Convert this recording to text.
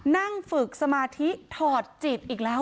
นั่งฝึกสมาธิถอดจิตอีกแล้ว